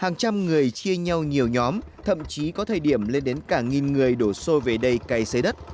hàng trăm người chia nhau nhiều nhóm thậm chí có thời điểm lên đến cả nghìn người đổ xôi về đây cây xế đất